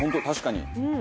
確かに。